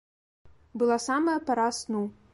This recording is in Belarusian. Была самая пара сну.